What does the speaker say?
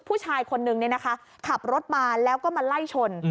ผู้ชายคนนึงขับรถมาแล้วก็มาไล่ชน